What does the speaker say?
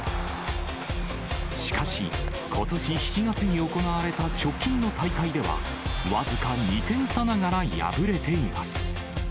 しかし、ことし７月に行われた直近の大会では、僅か２点差ながら敗れています。